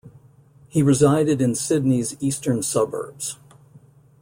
He resided in Sydney's Eastern Suburbs.